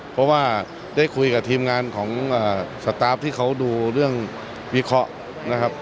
เพราะว่าได้คุยกับทีมงานของสตาร์ฟที่เขาดูเรื่องวิเคราะห์นะครับ